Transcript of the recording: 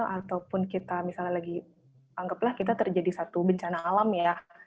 ataupun kita misalnya lagi anggaplah kita terjadi satu bencana alam ya